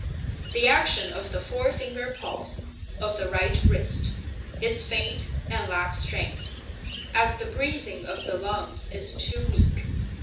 The action of the forefinger pulse, of the right wrist, is faint and lacks strength, as the breathing of the lungs is too weak.